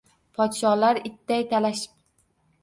Podsholar itday talashib